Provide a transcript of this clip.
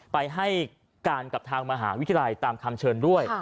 ไปให้การกับทางมหาวิทยาลัยตามคำเชิญด้วย